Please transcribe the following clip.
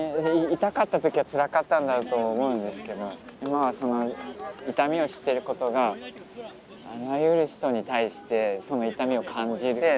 痛かった時はつらかったんだろうと思うんですけど今はその痛みを知ってることがあらゆる人に対してその痛みを感じて。